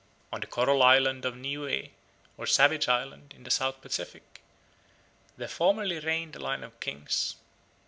On the coral island of Niue¯ or Savage Island, in the South Pacific, there formerly reigned a line of kings.